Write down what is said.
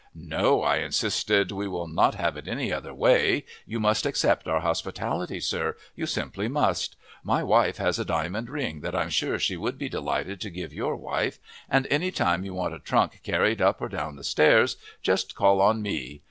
"No," I insisted, "we will not have it any other way. You must accept our hospitality, sir you simply must! My wife has a diamond ring that I'm sure she would be delighted to give your wife, and any time you want a trunk carried up or down stairs just call on me.